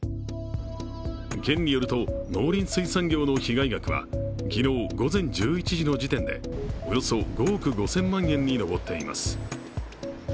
県によると農林水産業の被害額は昨日午前１１時の時点でおよそ５億５０００万円に上っています